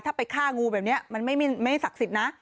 ถ้าไปฆ่างูแบบนี้มันไม่ศักดิ์สิทธิ์นะ